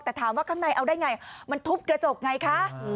แต่ถามว่าข้างในเอาได้ไงมันทุบกระจกไงคะ